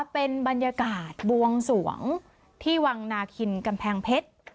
เป็นบรรยากาศบวงสวงที่วังนาคินกำแพงเพชร